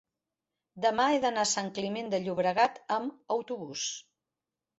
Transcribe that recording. demà he d'anar a Sant Climent de Llobregat amb autobús.